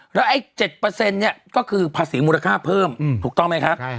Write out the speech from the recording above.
แล้วไอ้๗เนี่ยก็คือภาษีมูลค่าเพิ่มถูกต้องไหมครับ